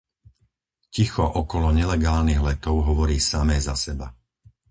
Ticho okolo nelegálnych letov hovorí samé za seba.